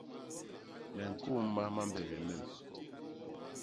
Me ñkôma mambegee mem.